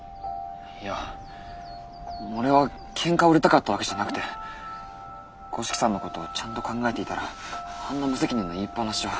いや俺はけんかを売りたかったわけじゃなくて五色さんのことをちゃんと考えていたらあんな無責任な言いっ放しは。